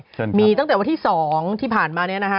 เชิญมีตั้งแต่วันที่๒ที่ผ่านมาเนี่ยนะฮะ